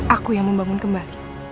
aku yang membangun kembali